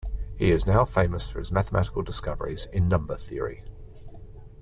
He is now famous for his mathematical discoveries in number theory.